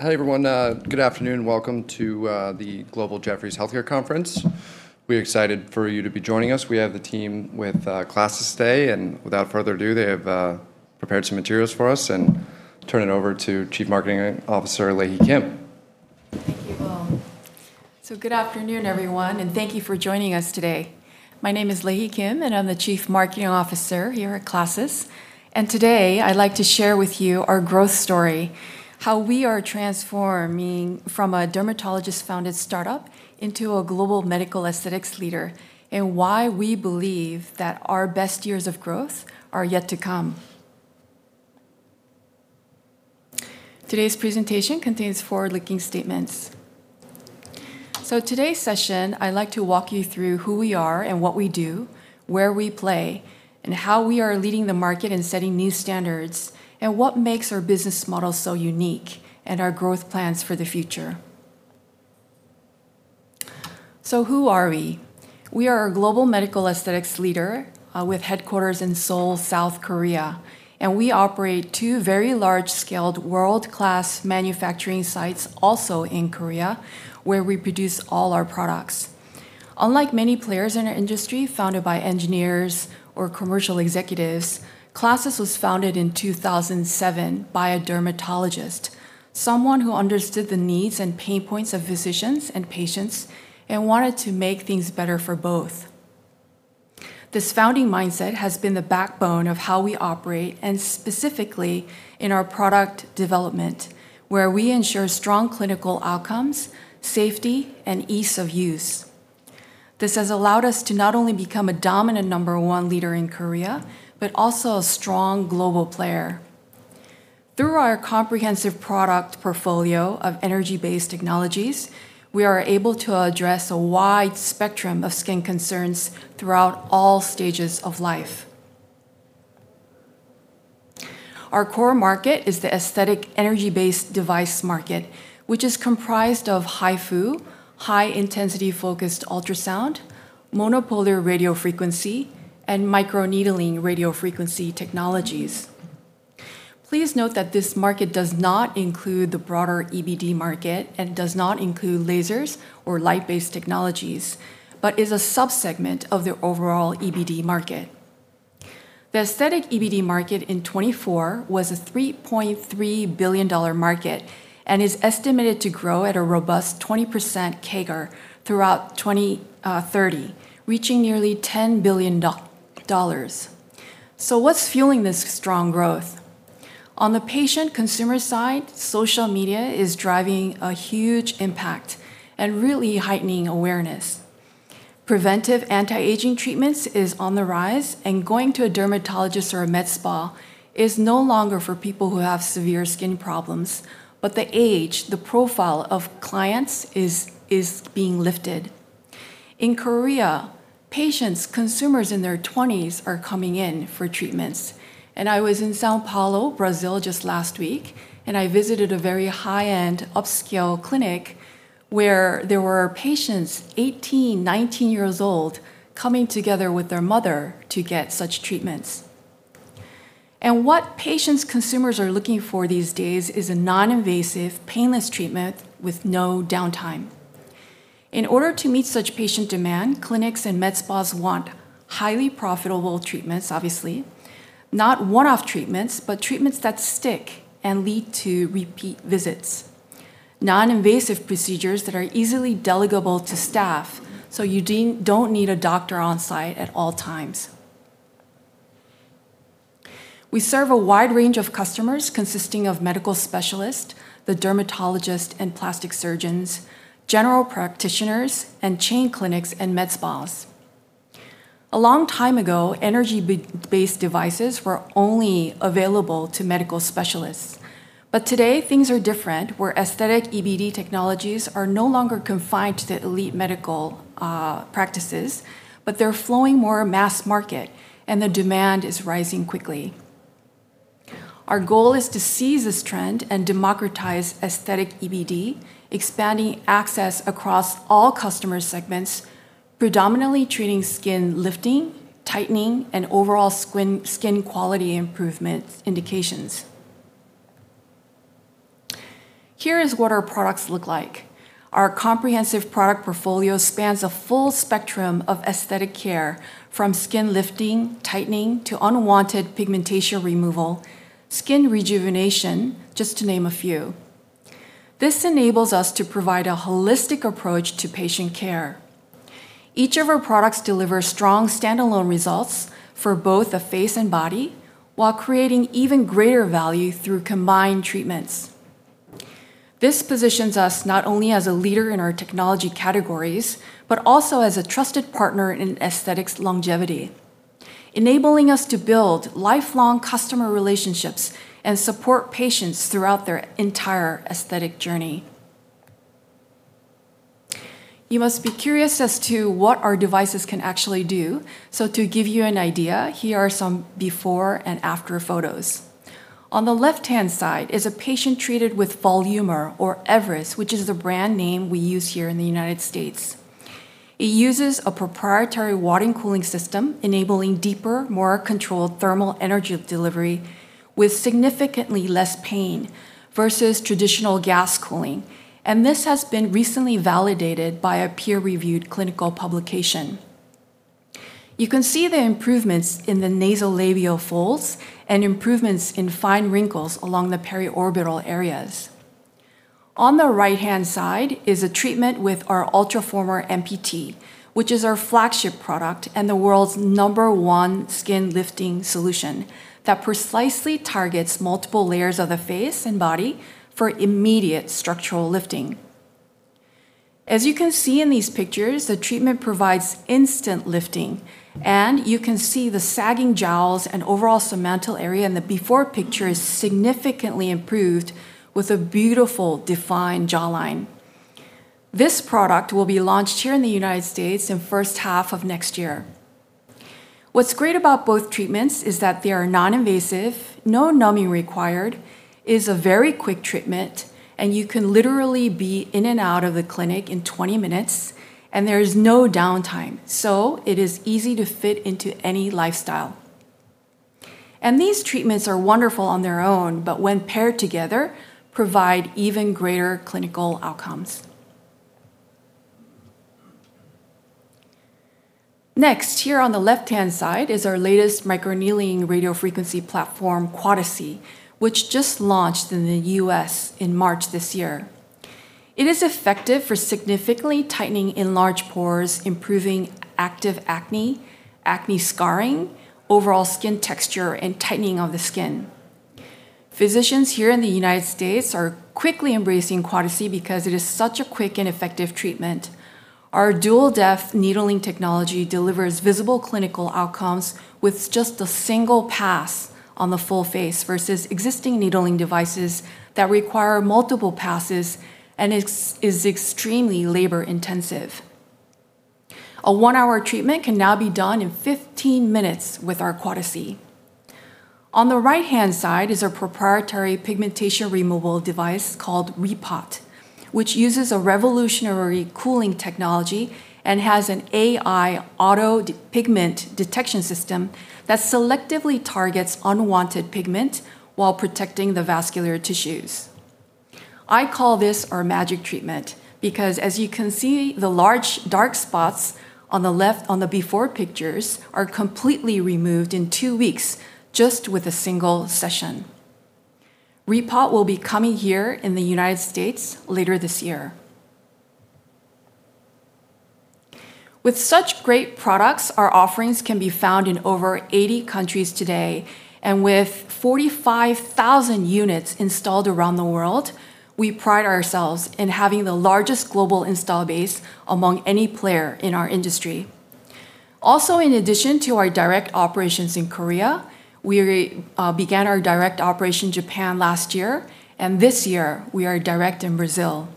Hi, everyone. Good afternoon. Welcome to the Global Jefferies Healthcare Conference. We're excited for you to be joining us. We have the team with CLASSYS today. Without further ado, they have prepared some materials for us, and turn it over to Chief Marketing Officer, Lae-hee Kim. Thank you. Good afternoon, everyone, and thank you for joining us today. My name is Lae-hee Kim, and I'm the Chief Marketing Officer here at CLASSYS. Today, I'd like to share with you our growth story, how we are transforming from a dermatologist-founded startup into a global medical aesthetics leader, and why we believe that our best years of growth are yet to come. Today's presentation contains forward-looking statements. Today's session, I'd like to walk you through who we are and what we do, where we play, and how we are leading the market and setting new standards, and what makes our business model so unique and our growth plans for the future. Who are we? We are a global medical aesthetics leader, with headquarters in Seoul, South Korea. We operate two very large-scaled world-class manufacturing sites, also in Korea, where we produce all our products. Unlike many players in our industry founded by engineers or commercial executives, CLASSYS was founded in 2007 by a dermatologist, someone who understood the needs and pain points of physicians and patients and wanted to make things better for both. This founding mindset has been the backbone of how we operate, and specifically in our product development, where we ensure strong clinical outcomes, safety, and ease of use. This has allowed us to not only become a dominant number one leader in Korea, but also a strong global player. Through our comprehensive product portfolio of energy-based technologies, we are able to address a wide spectrum of skin concerns throughout all stages of life. Our core market is the aesthetic energy-based device market, which is comprised of HIFU, high-intensity focused ultrasound, monopolar radio frequency, and microneedling radio frequency technologies. Please note that this market does not include the broader EBD market and does not include lasers or light-based technologies, but is a subsegment of the overall EBD market. The aesthetic EBD market in 2024 was a $3.3 billion market and is estimated to grow at a robust 20% CAGR throughout 2030, reaching nearly $10 billion. What's fueling this strong growth? On the patient consumer side, social media is driving a huge impact and really heightening awareness. Preventive anti-aging treatments is on the rise, and going to a dermatologist or a med spa is no longer for people who have severe skin problems. The age, the profile of clients is being lifted. In Korea, patients, consumers in their 20s are coming in for treatments. I was in São Paulo, Brazil, just last week, and I visited a very high-end upscale clinic, where there were patients 18, 19 years old, coming together with their mother to get such treatments. What patients, consumers are looking for these days is a non-invasive, painless treatment with no downtime. In order to meet such patient demand, clinics and med spas want highly profitable treatments, obviously, not one-off treatments, but treatments that stick and lead to repeat visits. Non-invasive procedures that are easily delegable to staff, so you don't need a doctor on-site at all times. We serve a wide range of customers consisting of medical specialists, the dermatologists and plastic surgeons, general practitioners, and chain clinics and med spas. A long time ago, energy-based devices were only available to medical specialists. Today, things are different, where aesthetic EBD technologies are no longer confined to the elite medical practices, but they're flowing more mass market, and the demand is rising quickly. Our goal is to seize this trend and democratize aesthetic EBD, expanding access across all customer segments, predominantly treating skin lifting, tightening, and overall skin quality improvement indications. Here is what our products look like. Our comprehensive product portfolio spans a full spectrum of aesthetic care, from skin lifting, tightening, to unwanted pigmentation removal, skin rejuvenation, just to name a few. This enables us to provide a holistic approach to patient care. Each of our products delivers strong standalone results for both the face and body while creating even greater value through combined treatments. This positions us not only as a leader in our technology categories, but also as a trusted partner in aesthetics longevity, enabling us to build lifelong customer relationships and support patients throughout their entire aesthetic journey. You must be curious as to what our devices can actually do. To give you an idea, here are some before and after photos. On the left-hand side is a patient treated with Volnewmer or Everesse, which is the brand name we use here in the United States. It uses a proprietary water cooling system enabling deeper, more controlled thermal energy delivery with significantly less pain versus traditional gas cooling. This has been recently validated by a peer-reviewed clinical publication. You can see the improvements in the nasolabial folds and improvements in fine wrinkles along the periorbital areas. On the right-hand side is a treatment with our Ultraformer MPT, which is our flagship product and the world's number one skin lifting solution that precisely targets multiple layers of the face and body for immediate structural lifting. As you can see in these pictures, the treatment provides instant lifting, and you can see the sagging jowls and overall submental area in the before picture is significantly improved with a beautiful defined jawline. This product will be launched here in the United States in the H1 of next year. What's great about both treatments is that they are non-invasive, no numbing required, is a very quick treatment, and you can literally be in and out of the clinic in 20 minutes, and there is no downtime, so it is easy to fit into any lifestyle. These treatments are wonderful on their own, but when paired together, provide even greater clinical outcomes. Next, here on the left-hand side is our latest microneedling radiofrequency platform, QUADESSY, which just launched in the U.S. in March this year. It is effective for significantly tightening enlarged pores, improving active acne scarring, overall skin texture, and tightening of the skin. Physicians here in the United States are quickly embracing QUADESSY because it is such a quick and effective treatment. Our dual-depth needling technology delivers visible clinical outcomes with just a single pass on the full face, versus existing needling devices that require multiple passes and is extremely labor-intensive. A one-hour treatment can now be done in 15 minutes with our QUADESSY. On the right-hand side is a proprietary pigmentation removal device called Reepot, which uses a revolutionary cooling technology and has an AI auto pigment detection system that selectively targets unwanted pigment while protecting the vascular tissues. I call this our magic treatment because, as you can see, the large dark spots on the left on the before pictures are completely removed in two weeks just with a single session. Reepot will be coming here in the United States later this year. With such great products, our offerings can be found in over 80 countries today. With 45,000 units installed around the world, we pride ourselves in having the largest global install base among any player in our industry. In addition to our direct operations in Korea, we began our direct operation in Japan last year, and this year we are direct in Brazil.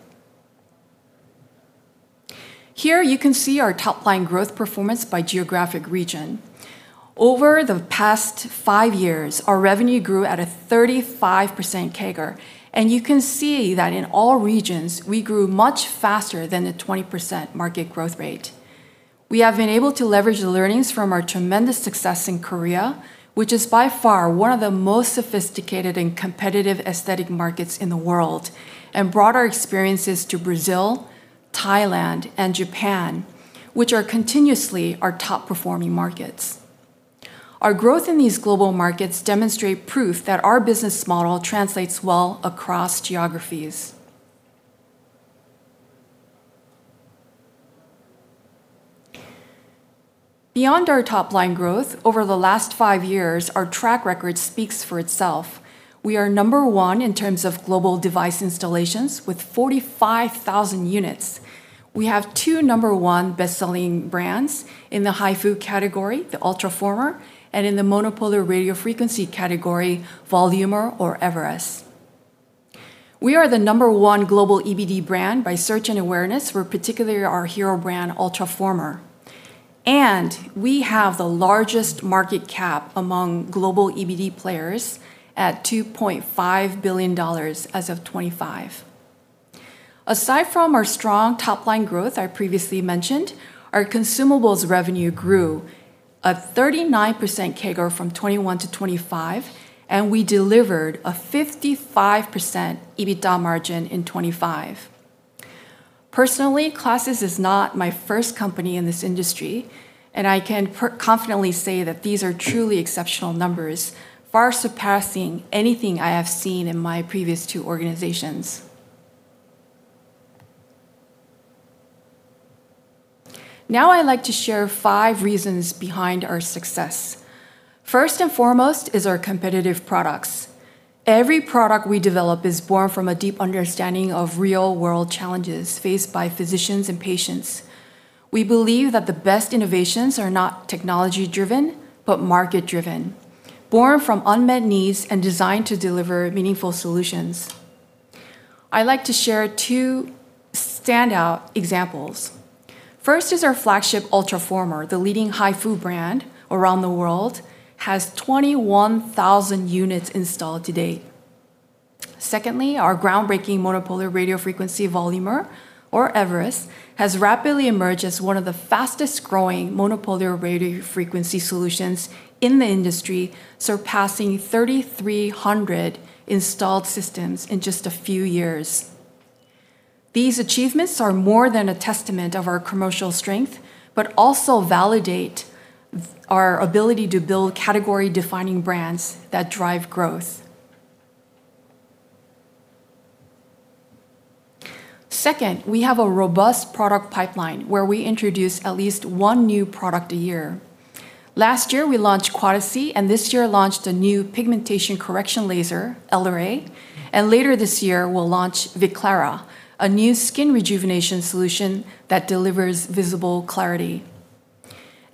Here you can see our top-line growth performance by geographic region. Over the past five years, our revenue grew at a 35% CAGR. You can see that in all regions, we grew much faster than the 20% market growth rate. We have been able to leverage the learnings from our tremendous success in Korea, which is by far one of the most sophisticated and competitive aesthetic markets in the world, and brought our experiences to Brazil, Thailand, and Japan, which are continuously our top-performing markets. Our growth in these global markets demonstrate proof that our business model translates well across geographies. Beyond our top-line growth, over the last five years, our track record speaks for itself. We are number one in terms of global device installations with 45,000 units. We have two number one best-selling brands in the HIFU category, the Ultraformer, and in the monopolar radiofrequency category, Voluma or Everesse. We are the number one global EBD brand by search and awareness for particularly our hero brand, Ultraformer. We have the largest market cap among global EBD players at $2.5 billion as of 2025. Aside from our strong top-line growth I previously mentioned, our consumables revenue grew a 39% CAGR from 2021 to 2025, and we delivered a 55% EBITDA margin in 2025. Personally, CLASSYS is not my first company in this industry, I can confidently say that these are truly exceptional numbers, far surpassing anything I have seen in my previous two organizations. I'd like to share five reasons behind our success. First and foremost is our competitive products. Every product we develop is born from a deep understanding of real-world challenges faced by physicians and patients. We believe that the best innovations are not technology-driven, but market-driven, born from unmet needs, and designed to deliver meaningful solutions. I like to share two standout examples. First is our flagship Ultraformer. The leading HIFU brand around the world, has 21,000 units installed to date. Secondly, our groundbreaking monopolar radiofrequency Voluma or Everesse has rapidly emerged as one of the fastest-growing monopolar radiofrequency solutions in the industry, surpassing 3,300 installed systems in just a few years. These achievements are more than a testament of our commercial strength, but also validate our ability to build category-defining brands that drive growth. Second, we have a robust product pipeline where we introduce at least one new product a year. Last year, we launched QUADESSY. This year launched a new pigmentation correction laser, LRA. Later this year, we'll launch Viclara, a new skin rejuvenation solution that delivers visible clarity.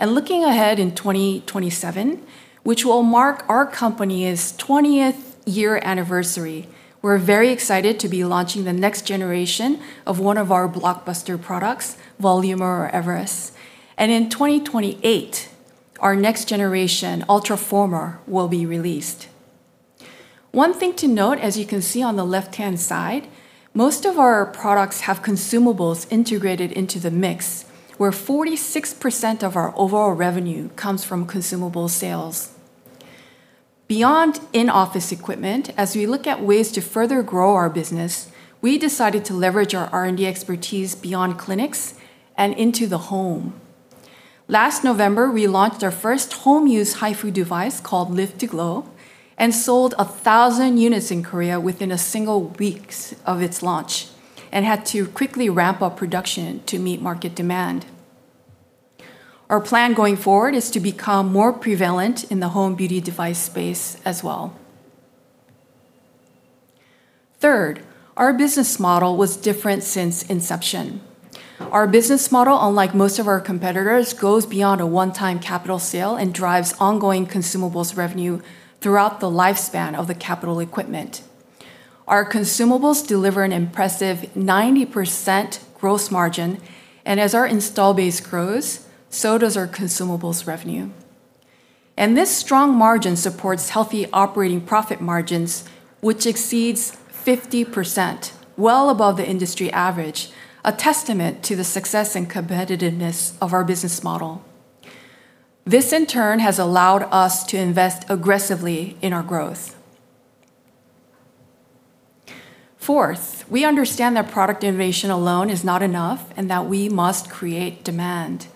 Looking ahead in 2027, which will mark our company's 20th year anniversary, we're very excited to be launching the next generation of one of our blockbuster products, Voluma or Everesse. In 2028, our next generation, Ultraformer, will be released. One thing to note, as you can see on the left-hand side, most of our products have consumables integrated into the mix, where 46% of our overall revenue comes from consumable sales. Beyond in-office equipment, as we look at ways to further grow our business, we decided to leverage our R&D expertise beyond clinics and into the home. Last November, we launched our first home-use HIFU device called Lift2Glow and sold 1,000 units in Korea within a single week of its launch and had to quickly ramp up production to meet market demand. Our plan going forward is to become more prevalent in the home beauty device space as well. Third, our business model was different since inception. Our business model, unlike most of our competitors, goes beyond a one-time capital sale and drives ongoing consumables revenue throughout the lifespan of the capital equipment. Our consumables deliver an impressive 90% gross margin, and as our install base grows, so does our consumables revenue. This strong margin supports healthy operating profit margins, which exceeds 50%, well above the industry average, a testament to the success and competitiveness of our business model. This, in turn, has allowed us to invest aggressively in our growth. Fourth, we understand that product innovation alone is not enough and that we must create demand.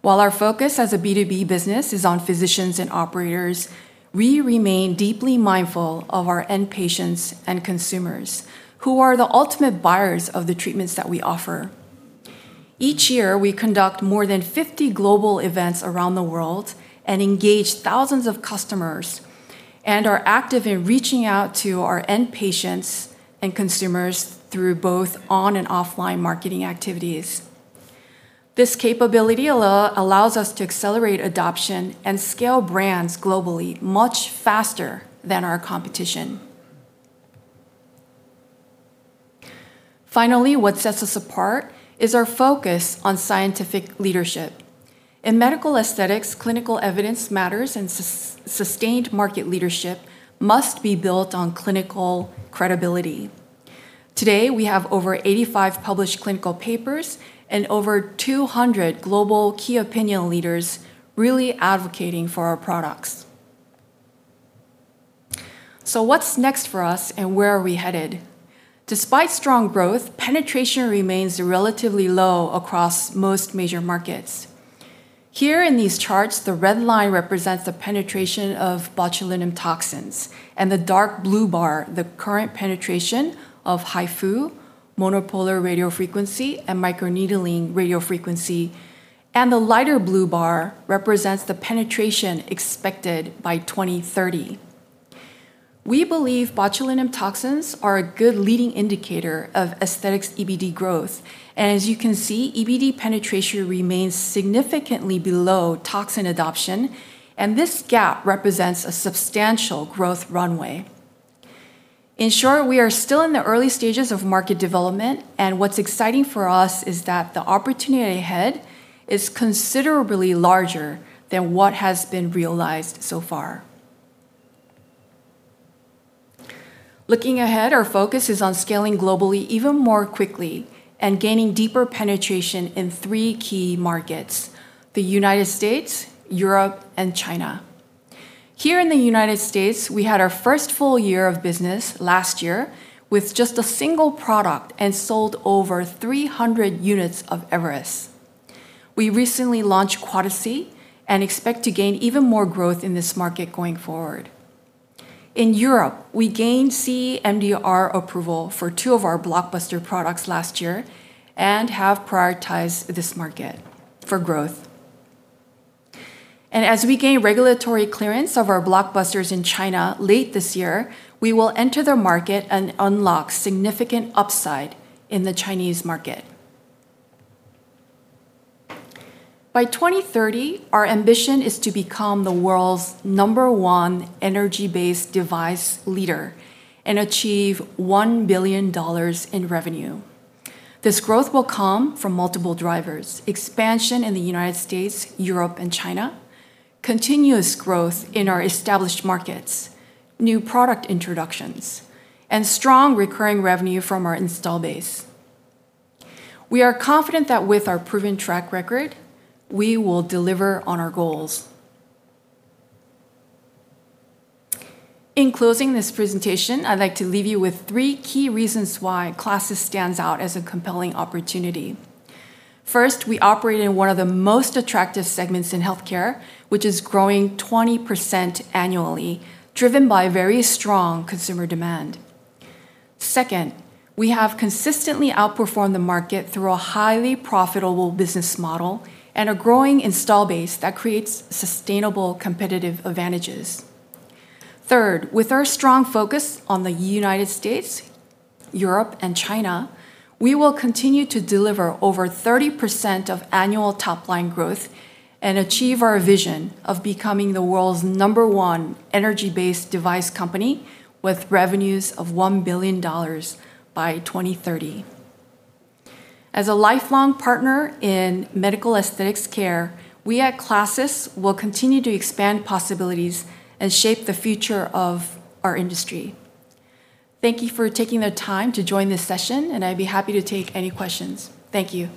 While our focus as a B2B business is on physicians and operators, we remain deeply mindful of our end patients and consumers, who are the ultimate buyers of the treatments that we offer. Each year, we conduct more than 50 global events around the world and engage thousands of customers and are active in reaching out to our end patients and consumers through both on and offline marketing activities. This capability allows us to accelerate adoption and scale brands globally much faster than our competition. Finally, what sets us apart is our focus on scientific leadership. In medical aesthetics, clinical evidence matters and sustained market leadership must be built on clinical credibility. Today, we have over 85 published clinical papers and over 200 global key opinion leaders really advocating for our products. What's next for us and where are we headed? Despite strong growth, penetration remains relatively low across most major markets. Here in these charts, the red line represents the penetration of botulinum toxins and the dark blue bar, the current penetration of HIFU, monopolar radiofrequency, and microneedling radiofrequency, and the lighter blue bar represents the penetration expected by 2030. We believe botulinum toxins are a good leading indicator of aesthetics EBD growth. As you can see, EBD penetration remains significantly below toxin adoption, and this gap represents a substantial growth runway. In short, we are still in the early stages of market development, what's exciting for us is that the opportunity ahead is considerably larger than what has been realized so far. Looking ahead, our focus is on scaling globally even more quickly and gaining deeper penetration in three key markets: the United States, Europe, and China. Here in the United States, we had our first full year of business last year with just a single product and sold over 300 units of Everesse. We recently launched QUADESSY and expect to gain even more growth in this market going forward. In Europe, we gained MDR approval for two of our blockbuster products last year and have prioritized this market for growth. As we gain regulatory clearance of our blockbusters in China late this year, we will enter the market and unlock significant upside in the Chinese market. By 2030, our ambition is to become the world's number one energy-based device leader and achieve $1 billion in revenue. This growth will come from multiple drivers, expansion in the United States, Europe, and China, continuous growth in our established markets, new product introductions, and strong recurring revenue from our install base. We are confident that with our proven track record, we will deliver on our goals. In closing this presentation, I'd like to leave you with three key reasons why CLASSYS stands out as a compelling opportunity. First, we operate in one of the most attractive segments in healthcare, which is growing 20% annually, driven by very strong consumer demand. Second, we have consistently outperformed the market through a highly profitable business model and a growing install base that creates sustainable competitive advantages. Third, with our strong focus on the United States, Europe, and China, we will continue to deliver over 30% of annual top-line growth and achieve our vision of becoming the world's number one energy-based device company with revenues of $1 billion by 2030. As a lifelong partner in medical aesthetics care, we at CLASSYS will continue to expand possibilities and shape the future of our industry. Thank you for taking the time to join this session, and I'd be happy to take any questions. Thank you.